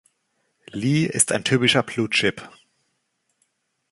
Lee ist ein typischer Blue-Chip.